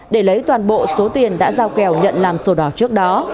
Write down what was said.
để lấy toàn bộ số tiền đã giao kèo nhận làm sổ đỏ trước đó